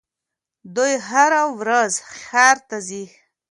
دوی هره ورځ ښار ته ځي.